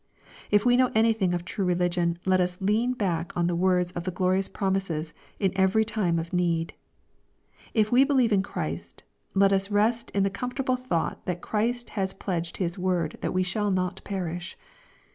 If we know anything of true religion let us lean back on the words of the glorious promises in every time of need. If we believe in Christ, let us rest in the com fortable thought that Christ has pledged His word that we shall not perish.